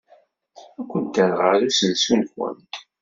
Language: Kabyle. Ad kent-rreɣ ɣer usensu-nwent.